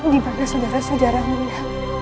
dimana saudara saudara muda